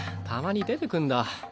たまに出てくんだ。